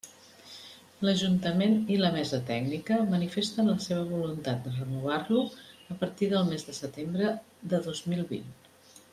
L'Ajuntament i la Mesa Tècnica, manifesten la seva voluntat de renovar-lo a partir del mes de setembre de dos mil vint.